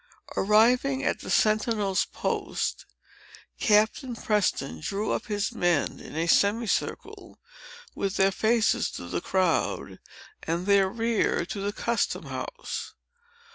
Arriving at the sentinel's post, Captain Preston drew up his men in a semi circle, with their faces to the crowd and their rear to the custom house.